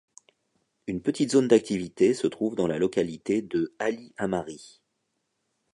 Une petite zone d'activité se trouve dans la localité de Ali Amari.